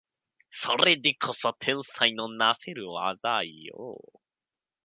それでこそ天才のなせる技よ